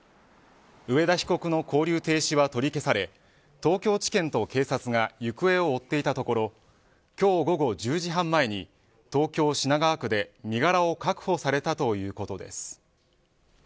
上田被告の勾留停止は取り消され東京地検と警察が行方を追っていたところ今日午後１０時半前に東京、品川区で身柄を確保されたということです。